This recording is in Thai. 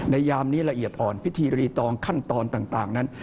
ยามนี้ละเอียดอ่อนพิธีรีตองขั้นตอนต่างนั้น